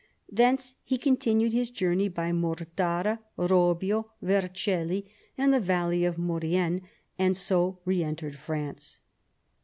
Thence he continued his journey by Mortara, Robbio, Vercelli, and the valley of Maurienne, and so re entered France.